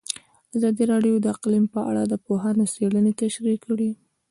ازادي راډیو د اقلیم په اړه د پوهانو څېړنې تشریح کړې.